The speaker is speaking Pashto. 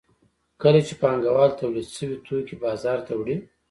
کله چې پانګوال تولید شوي توکي بازار ته وړي